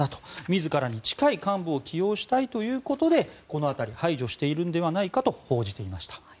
自らに近い幹部を起用したいということでこの辺り、排除しているのではないかと報じていました。